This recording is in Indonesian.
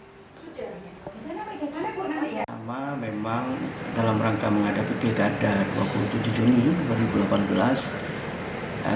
selama memang dalam rangka menghadapi pilkada dua puluh tujuh juni